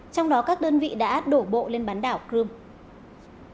trong đó các đơn vị đã đổ bộ lên bán đảo crimea